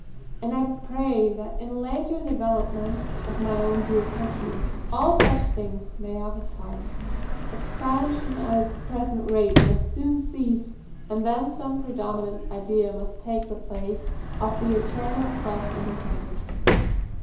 and I pray that in the later development of my own dear country, all such things may have a part. Expansion at its present rate must soon cease; and then some predominant idea must take the place of the eternal self independence.